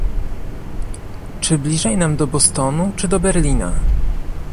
czy bliżej nam do Bostonu czy do Berlina?